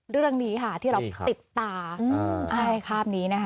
เรื่องนี้ค่ะที่เราติดตาใช่ภาพนี้นะคะ